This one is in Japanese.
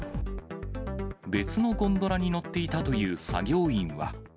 別のゴンドラに乗っていたという作業員は。